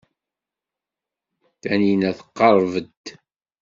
Taninna tqerreb-d.